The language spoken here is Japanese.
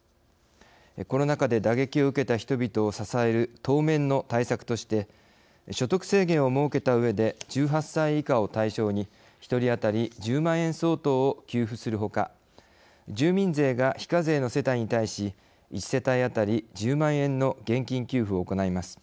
コロナ禍で打撃を受けた人々を支える当面の対策として所得制限を設けたうえで１８歳以下を対象に１人当たり１０万円相当を給付するほか住民税が非課税の世帯に対し１世帯当たり１０万円の現金給付を行います。